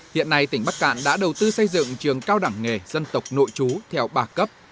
hiện nay tỉnh bắc cạn đã đầu tư xây dựng trường cao đẳng nghề dân tộc nội chú theo ba cấp